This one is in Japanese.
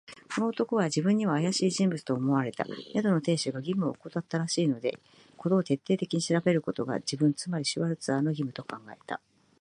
この男は自分にはあやしい人物と思われた。宿の亭主が義務をおこたったらしいので、事を徹底的に調べることが、自分、つまりシュワルツァーの義務と考えた。